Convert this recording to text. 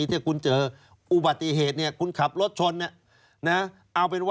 แต่จริงติดพันกว่าบาทนะ